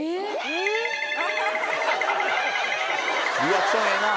リアクションええな。